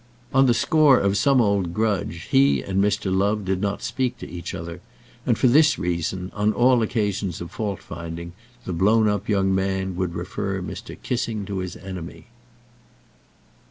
On the score of some old grudge he and Mr. Love did not speak to each other; and for this reason, on all occasions of fault finding, the blown up young man would refer Mr. Kissing to his enemy.